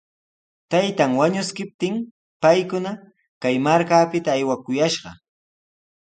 Taytan wañuskiptin paykuna kay markapita aywakuyashqa.